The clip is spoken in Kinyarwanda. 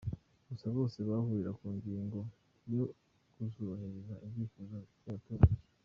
Gusa bose bahurira ku ngingo yo kuzubahiriza ibyifuzo by’abaturage.